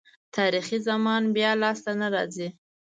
تاریخي زمان بیا لاسته نه راځي.